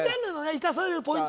生かされるポイント